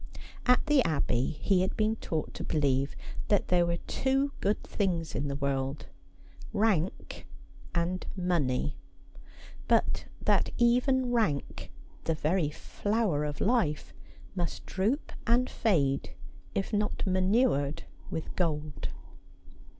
At the Abbey he had been taught to believe that there were two good things in the world, rank and money ; but that even rank, the very flower of life, must droop and fade if not manured with gold.